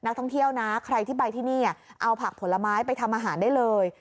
ใครที่ไปที่นี่เอาผักผลไม้ไปทำอาหารได้เลย